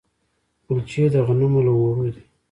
کلچې د غنمو له اوړو دي.